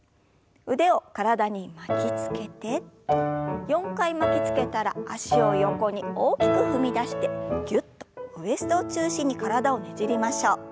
腕を体に巻きつけて４回巻きつけたら脚を横に大きく踏み出してぎゅっとウエストを中心に体をねじりましょう。